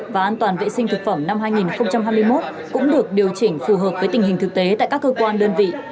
và an toàn vệ sinh thực phẩm năm hai nghìn hai mươi một cũng được điều chỉnh phù hợp với tình hình thực tế tại các cơ quan đơn vị